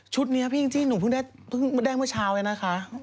ชุดนี้พี่เอ็งจี้หนูเพิ่งได้เมื่อเช้าเลยนะค่ะ